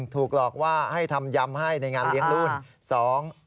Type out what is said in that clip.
ถูกหลอกว่าให้ทำยำให้ในงานเลี้ยงรุ่น